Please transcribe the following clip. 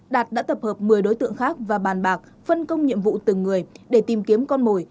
đạt đã tập hợp một mươi đối tượng khác và bàn bạc phân công nhiệm vụ từng người để tìm kiếm con mồi